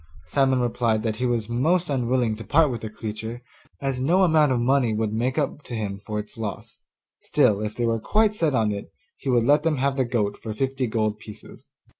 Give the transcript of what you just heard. Simon replied that he was most unwilling to part with the creature, as no amount of money would make up to him for its loss; still, if they were quite set on it, he would let them have the goat for fifty gold pieces.